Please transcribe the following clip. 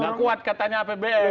gak kuat katanya apbn